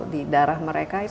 di darah mereka itu